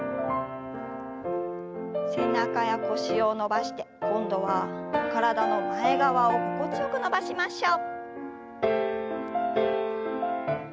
背中や腰を伸ばして今度は体の前側を心地よく伸ばしましょう。